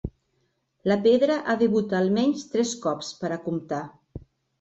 La pedra ha de botar almenys tres cops per a comptar.